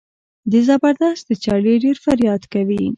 د زبردست د چړې ډېر فریاد کوي.